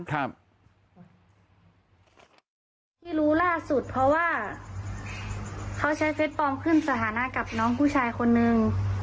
ที่รู้ล่าสุดเพราะว่าเขาใช้เฟสปลอมขึ้นสถานะกับน้องผู้ชายคนนึง